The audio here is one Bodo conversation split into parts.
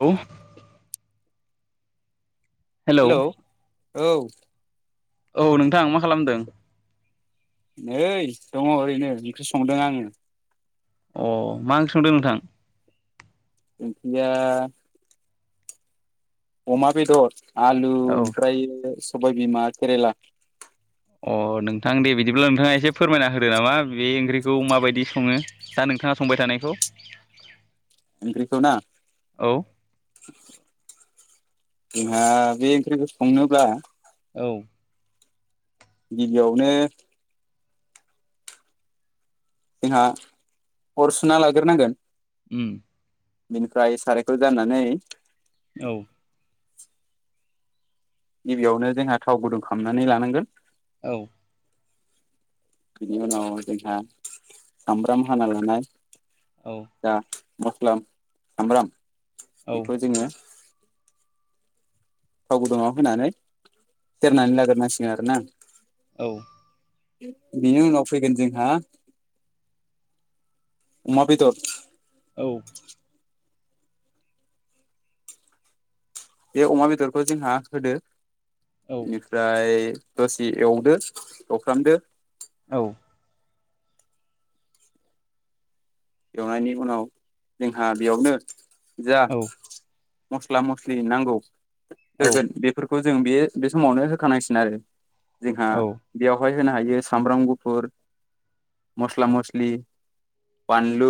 औ। हेलौ हेल' औ औ नोंथां मा खालामदों? नै दङ ओरैनो ओंख्रि संदों आङो। अ मा ओंख्रि संदों नोंथां? ओंख्रिया अमा बेदर आलु औ ओमफ्राय सबायबिमा केरेला अ नोंथां दे बिदिब्ला नोंथाङा एसे फोरमायना होदो नामा बे ओंख्रिखौ माबायदि सङो दा नोंथाङा संबाय थानायखौ। ओंख्रिखोना औ जोंहा बे ओंख्रिखौ संनोब्ला औ। गिबियावनो जोंहा अर सुना लाग्रोनांगोन। उम बिनिफ्राय सारायखौ जानानै औ। गिबियावनो जोंहा थाव गुदुं खालामनानै लानांगोन। औ। बिनि उनाव जोंहा सामब्राम हाना लानाय औ दा मस्ला सामब्राम औ बेखौ जोङो थाव गुदुङाव होनानै सेरनानै लाग्रोनांसिगोन आरोना। औ बेनि उनाव फैगोन जोंहा अमा बेदर औ। बे अमा बेदरखौ जोंहा होदो औ बेनिफ्राय दसे एवदो एवफ्रामदो औ। एवनायनि उनाव जोंहा बेयावनो जा उम मस्ला मस्लि नांगौ औ होगोन बेफोरखौ बखौ जों बे-बे समावनो होखानांसिग आरो जोंहा बेयावहाय होनो हायो सामब्राम गुफुर मस्ला मस्लि बानलु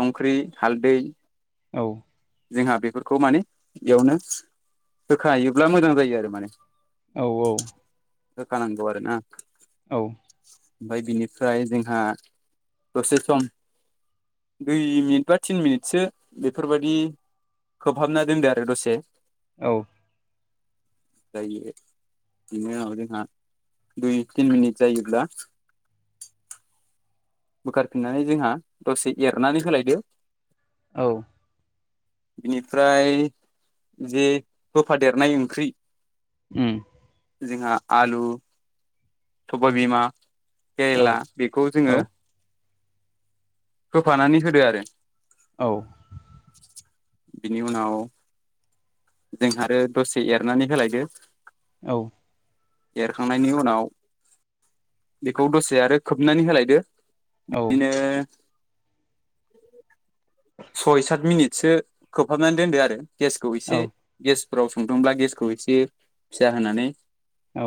संख्रि हालदै औ। जोंहा बेफोरखौ माने बेयावनो होखायोब्ला मोजां जायो आरो माने। औ। औ होखानांगौ आरोना। औ। ओमफाय बिनिफ्राय जोंहा दसे सम दुइ मिनिट बा थिन मिनिटसो बेफोरबादि खोबहाबना दोनदो आरो दसे औ। दायो एद बिनि उनाव जोंहा दुइ तिन मिनिट जायोब्ला [unintelligible] बोखारफिननानै जोंहा दसे एरनानै होलायदो औ बिनिफ्राय जे होफादेरनाय ओंख्रि उम जोंहा आलु सबाय बिमा केरेला बेखौ जोङो होफानानै होदो आरो औ बिनि उनाव जोंहा आरो दसे एरनानै होलायदो औ एरखांनायनि उनाव बेखौ दसे आरो खोबनानै होलायदो बिदिनो सय सात मिनिटसो खोबहाबनानै दोनदो आरो गेसखौ एसे गेस फोराव संदोंदोंब्ला गेसखौ एसे फिसा होनानै औ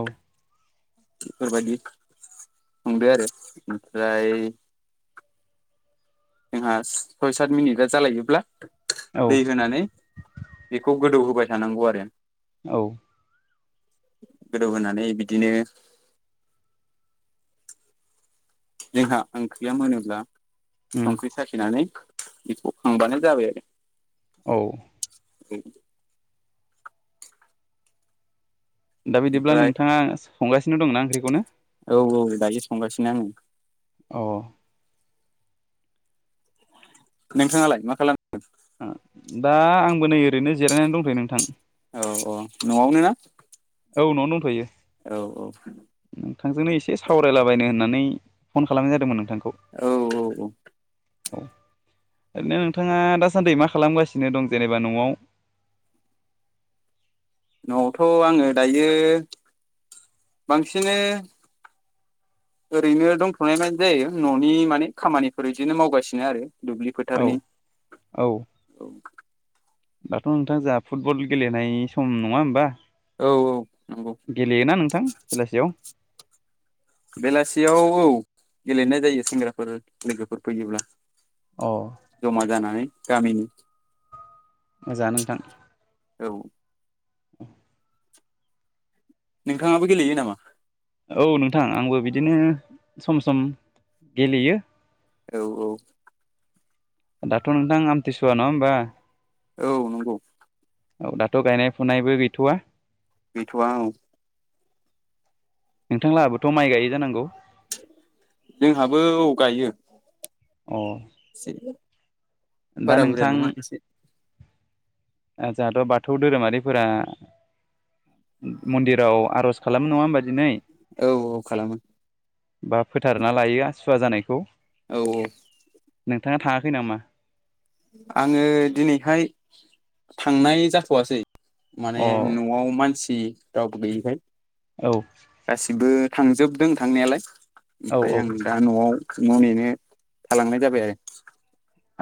बेफोरबायदि संदो आरो ओमफ्राय [unintelligible] जोंहा सय सात मिनिटगा जालायोब्ला दै होनानै बेखौ गोदौ होबाय थानांगौ आरो औ गोदौ होनानै बिदिनो जोंहा ओंख्रिया मोनोब्ला उम संख्रि साखिनानै बेखौ खांबानो जाबाय आरो औ [unintelligible] दा बिदिब्ला ओमफ्राय नोंथाङा संगासिनो दंना ओंख्रिखौनो औ-औ दायो संगासिनो आङो अह नोंथाङालाय मा खालामदों? आ दा आंबो नै ओरैनो जिरायनानै दंथयो नोंथां औ-औ न'आवनो ना औ न'आवनो दंथ'यो औ नोंथांजोंनो एसे सावरायलाबायनो होननानै फन खालामनाय जादोंमोन नोंथां औ-औ-औ औ ओरैनो नोंथाङा दासान्दि मा खालामगासिनो दं जेनेबा न'आव [unintelligible] न'आवथ' आङो दायो बांसिनो ओरैनो दंथ'नाय बादि जायो न'नि माने खामानिफोर बिदिनो मावगासिनो आरो दुब्लि औ फोथारनि औ दाथ' नोंथां जाहा फुटबल गेलेनाय सम नङा होमबा औ नंगौ गेलेयोना नोंथां बेलासियाव बेलासियाव औ गेलेनाय जायो सेंग्राफोर लोगोफोर फैयोब्ला अ जमा जानानै गामिनि मोजां नोंथां औ [inaudible] नोंथाङाबो गेलेयो नामा? औ नोंथां आंबो बिदिनो सम सम गेलेयो। औ औ दाथ' नोंथां आमथिसुवा नङा होमबा औ नंगौ। औ दाथ' गायनाय फुनायबो गैथ'वा। गैथ'आ औ। नोंथांलाहाबोथ' माइ गायो जानांगौ जोंहाबो औ गायो। अ एसे दा बारा बुरजा नोंथां नङा एसे। जोंहाथ' बाथौ धोरोमारिफोरा मन्दिराव आर'ज खालामो नङा होमबा दिनै। औ औ खालामो बा फोथारना लायो सुवा जानायखौ। औ-औ। नोंथाङा थाङाखै नामा? आङो दिनैहाय थांनाय जाथ'वासै। माने अ न'आव मानसि रावबो गैयैखाय औ गासिबो थांजोबदों थांनायालाय औ ओमफ्राय औ आं दा न'आव न' नेनो थालांनाय जाबाय आरो।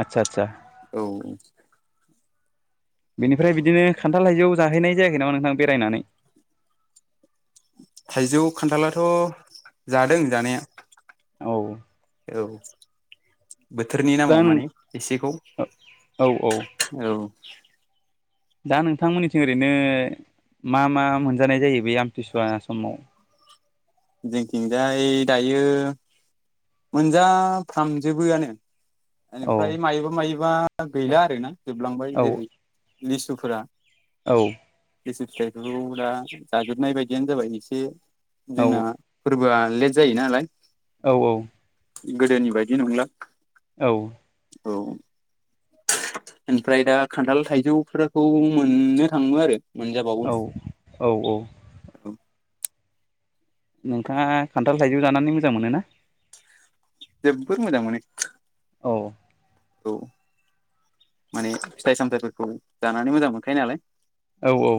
आतसा-आतसा। औ। बेनिफ्राय बिदिनो खान्थाल थायजौ जाहैनाय जायाखै नामा नोंथां बेरायनानै। थाइजौ खान्थालाथ' जादों जानाया। औ। औ। बोथोरनि दा नामाव नों माने एसेखौ औ औ औ। दा नोंथांमोननिथिं ओरैनो मा मा मोनजानाय जायो बे आमथिसुवा समाव। जोंथिंजाय दायो मोनजाफ्रामजोबोआनो। औ बेनिफ्राय मायोबा मायोबा गैला आर ना जोबलांबाय औ जेरै लिसुफोरा। औ। लिसु फिथाइखौ दा जाजोबनाय बायदियानो जाबाय एसे औ जोंना फोरबोआ लेत जायोनालाय। औ। गोदोनि बायदि नंला। औ। औ। ओमफ्राय दा खान्थाल थाइजौफोरखौ मोननो थाङो आरो। मोनजाबावो औ औ औ। औ नोंथाङा खान्थाल थाइजौ जानानै मोजां मोनो ना? जोबोद मोजां मोनो। औ। औ माने फिथाइ सामथाइफोरखौ जानानै मोजां मोनखायो नालाय। औ औ।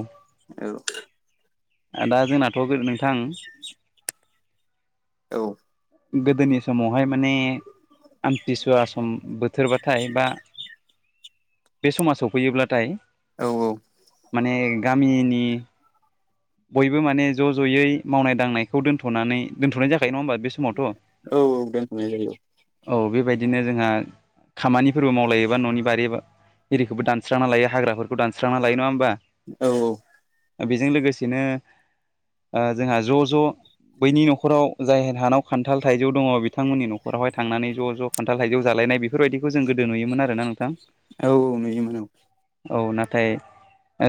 औ। दा जोंनाथ' नोंथां। औ। गोदोनि समाव। बेहाय माने आमथिसुवा सम बोथोरबाथाय बा बे समा सफैयोब्लाथाय औ माने गामिनि। बयबो माने ज' ज'यै मावनाय दांनायखौ दोनथ'नानै दोनथ'नाय जाखायो नङा होमबा बे समाव औ औ दोनथ'नाय जायो। औ बेबायदिनो जोंहा खामानिफोरबो मावलायोबा न'नि बारि बा रिखोबो दानस्रांना लायो हाग्राफोरखौ दानस्रां लायो नङा होमबा। औ औ। बेजों लोगोसेनो ओ जोंहा ज' ज' बैनि न'खराव जाय हानाव खान्थाल थाइजौ दङ बिथांमोननि न'खरावहाय थांनानै ज' ज' खान्थाल थाइजौ जालायनाय बेफोरबायदिखौ जों गोदो नुयोमोन आरोना नोंथां। औ औ नुयोमोन औ नाथाय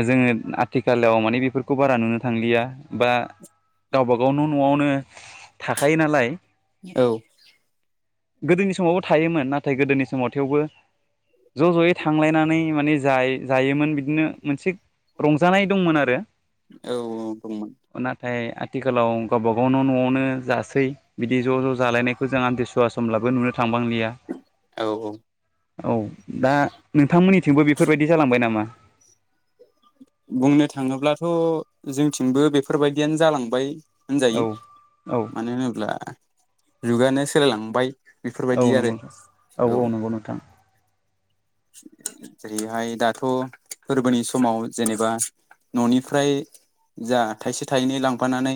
जोङो आथिखालाव माने बेफोरखौ बारा नुनो थांलिया बा गावबागाव न' न'आवनो थाखायो नालाय। औ। गोदोनि समावबो थायोमोन नाथाय गोदोनि समाव थेवबो। ज' ज'यै थांलायनानै माने जायो जायोमोन बिदिनो मोनसे रंजानाय दंमोन आरो। औ औ दंमोन। नाथाय आथिखालाव गावबा गाव न' न'आवनो जासै। बिदि ज' ज' जालायनायखौ जों आमथिसुवा समब्लाबो नुनो थांबांलिया औ औ औ दा नोंथांमोननिथिंबो बेफोरबायदि जालांबाय नामा बुंनो थाङोब्लाथ' जोंथिंबो बेफोरबायदियानो जालांबाय औ होनजायो औ मानो होनोब्ला जुगानो सोलायलांबाय। औ बेफोरबायदि आरो नंगौ नोंथां औ। जेरैहाय दाथ' फोरबोनि समाव जेनेबा न'निफ्राय जा थाइसे थाइनै लांफानानै